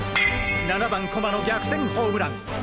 ７番駒の逆転ホームラン！